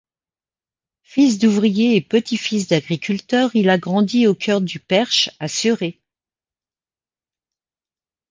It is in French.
Fils d’ouvriers et petit-fils d’agriculteurs, il a grandi au cœur du Perche, à Suré.